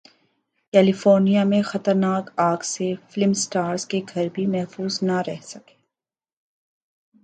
California میں خطرناک اگ سے فلم اسٹارز کے گھر بھی محفوظ نہ رہ سکے